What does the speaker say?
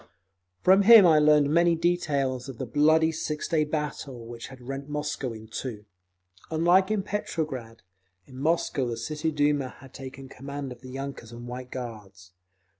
From him I learned many details of the bloody six day battle which had rent Moscow in two. Unlike in Petrograd, in Moscow the City Duma had taken command of the yunkers and White Guards.